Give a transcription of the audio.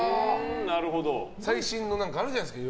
最新のあるじゃないですか。